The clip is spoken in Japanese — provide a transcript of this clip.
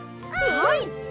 はい！